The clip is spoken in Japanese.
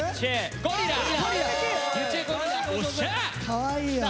かわいいな。